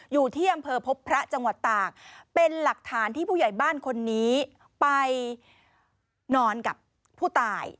อยู่ที่อำเภอพบพระจังหวัดตากเป็นหลักฐานที่ผู้ใหญ่บ้านคนนี้ไปนอนกับผู้ตาย